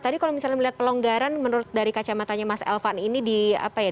tadi kalau misalnya melihat pelonggaran menurut dari kacamatanya mas elvan ini di apa ya